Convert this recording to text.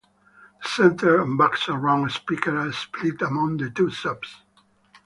The Center and Back Surround speaker are split among the two subs.